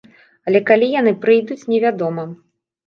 Але калі яны прыйдуць, невядома.